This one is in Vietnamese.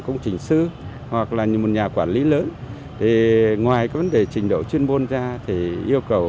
công trình sư hoặc là một nhà quản lý lớn thì ngoài vấn đề trình độ chuyên môn ra thì yêu cầu